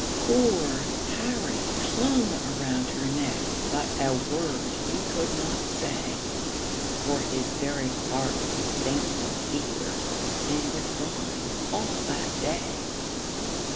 Poor Harry clung around her neck, But a word he could not say, For his very heart was faint with fear, And with flying all that day.